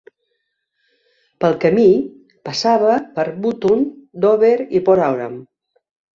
Pel camí, passava per Boonton, Dover i Port Oram.